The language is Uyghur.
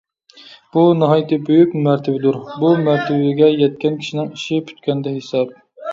بۇ ناھايىتى بۈيۈك مەرتىۋىدۇر. بۇ مەرتىۋىگە يەتكەن كىشىنىڭ ئىشى پۈتكەندە ھېساب.